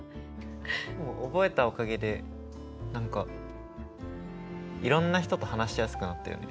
覚えたおかげで何かいろんな人と話しやすくなったよね。